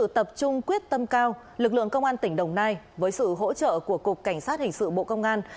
tập trung quyết tâm cao lực lượng công an tỉnh đồng nai với sự hỗ trợ của cục cảnh sát hình sự bộ công an